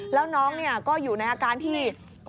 แล้วน้องก็อยู่ในอาการที่